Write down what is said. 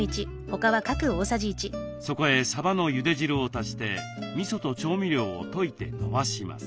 そこへさばのゆで汁を足してみそと調味料を溶いてのばします。